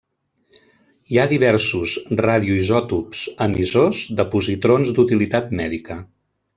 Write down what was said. Hi ha diversos radioisòtops emissors de positrons d'utilitat mèdica.